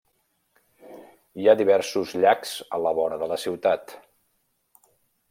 Hi ha diversos llacs a la vora de la ciutat.